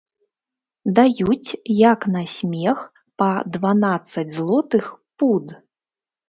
Даюць, як на смех, па дванаццаць злотых пуд.